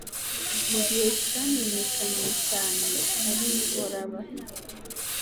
Mugihe cyamenyekanye cyane ko ari ingorabahizi